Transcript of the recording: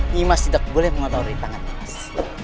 nimas tidak boleh mengotori tangan emas